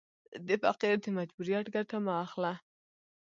د فقیر د مجبوریت ګټه مه اخله.